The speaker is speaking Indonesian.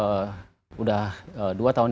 sudah dua tahun